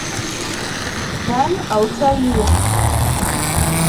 Then I'll tell you.